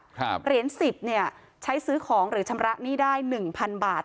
เหรียญ๑๐เนี่ยใช้ซื้อของหรือชำระหนี้ได้๑๐๐๐บาท